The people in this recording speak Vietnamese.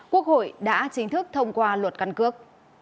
quốc hội đã chính thức thông qua luật căn cước